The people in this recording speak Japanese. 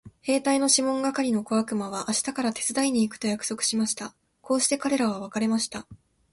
兵隊のシモン係の小悪魔は明日から手伝いに行くと約束しました。こうして彼等は別れました。